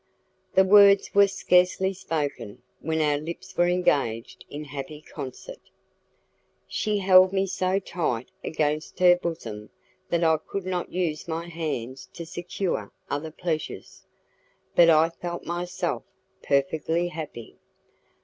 The words were scarcely spoken, when our lips were engaged in happy concert. She held me so tight against her bosom that I could not use my hands to secure other pleasures, but I felt myself perfectly happy.